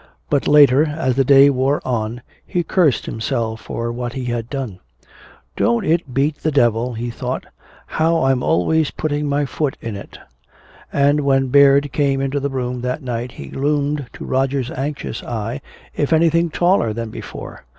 But later, as the day wore on, he cursed himself for what he had done. "Don't it beat the devil," he thought, "how I'm always putting my foot in it?" And when Baird came into the room that night he loomed, to Roger's anxious eye, if anything taller than before.